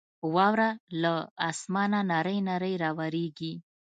واوره له اسمانه نرۍ نرۍ راورېږي.